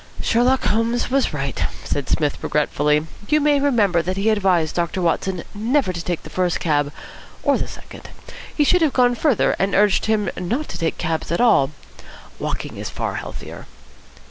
"Sherlock Holmes was right," said Psmith regretfully. "You may remember that he advised Doctor Watson never to take the first cab, or the second. He should have gone further, and urged him not to take cabs at all. Walking is far healthier."